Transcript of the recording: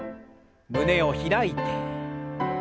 胸を開いて。